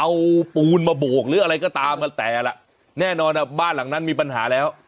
เอาปูนมาโบกหรืออะไรก็ตามกันแต่ละแน่นอนบ้านหลังนั้นมีปัญหาแล้ว